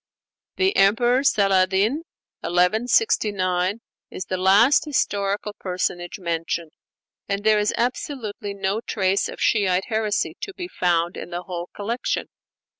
The Emperor Salah al din (1169) is the last historical personage mentioned, and there is absolutely no trace of Shiite heresy to be found in the whole collection.